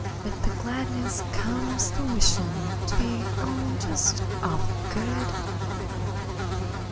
With the gladness comes the wishin' To be, oh, just awful good!